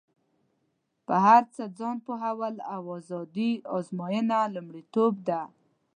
په هر څه ځان پوهول او ازادي ازموینه یې لومړیتوب دی.